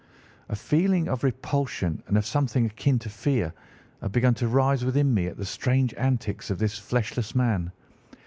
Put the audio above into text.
"A feeling of repulsion, and of something akin to fear had begun to rise within me at the strange antics of this fleshless man.